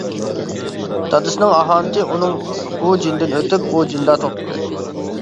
دادىسىنىڭ ئاھانىتى ئۇنىڭ بۇ جېنىدىن ئۆتۈپ ئۇ جېنىدا توختىدى.